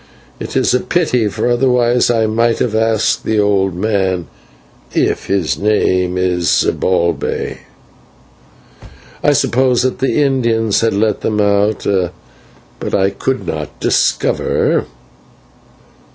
It is a pity, for otherwise I might have asked the old man if his name is Zibalbay. I suppose that the Indians had let them out, but I could not discover."